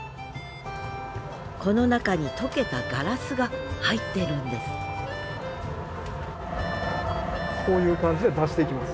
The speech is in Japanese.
この中に溶けたガラスが入っているんですこういう感じで出していきます。